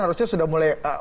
harusnya sudah mulai